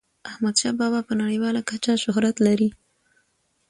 احمد شاه بابا په نړیواله کچه شهرت لري.